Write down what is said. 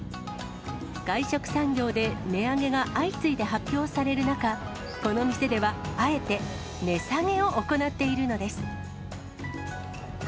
外食産業で値上げが相次いで発表される中、この店では、あえて値下げを行っているのです。